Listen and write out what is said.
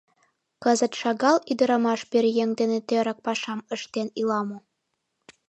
Кызыт шагал ӱдырамаш пӧръеҥ дене тӧрак пашам ыштен ила мо?!.